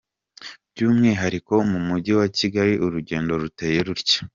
By’umwihariko mu Mujyi wa Kigali urugendo ruteye rutya:.